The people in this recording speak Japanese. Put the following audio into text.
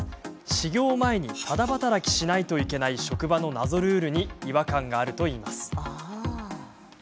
始業前にタダ働きしないといけない職場の謎ルールに違和感があるといいます。